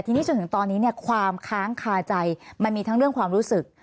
ทีนี้จนถึงตอนนี้เนี่ยความค้างคาใจมันมีทั้งเรื่องความรู้สึก